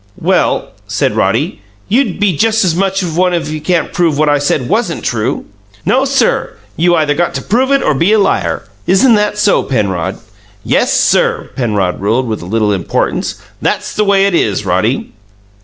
"Well," said Roddy, "you'd be just as much of one if you can't prove what I said WASN'T true." "No, sir! You either got to prove it or be a liar. Isn't that so, Penrod. "Yes, sir," Penrod ruled, with a little importance, "that's the way it is, Roddy."